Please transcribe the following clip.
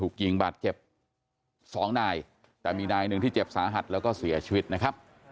เขาจะเป็นทั้งพ่อและแม่ให้ลูก